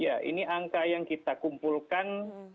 iya ini angka yang kita kumpulkan